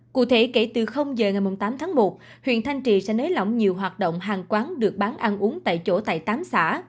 cụ thể kể từ giờ ngày tám tháng một huyện thanh trì sẽ nới lỏng nhiều hoạt động hàng quán được bán ăn uống tại chỗ tại tám xã